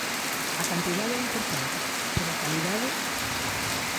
A cantidade é importante, pero a calidade...